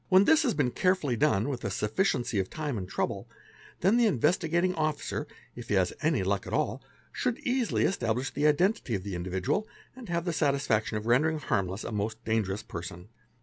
When this has been carefully done with a sufficiency of time and trouble, then the Investigating Officer, if he has any luck at all, should easily establish the identity of the individual and have the 'satisfaction of rendering harmless a most dangerous person.